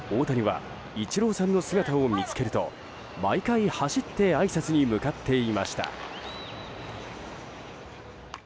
大谷はイチローさんの姿を見つけると毎回、走ってあいさつに向かっていました。